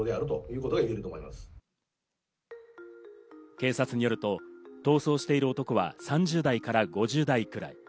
警察によると、逃走している男は３０代から５０代くらい。